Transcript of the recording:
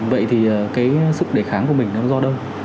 vậy thì cái sức đề kháng của mình nó do đâu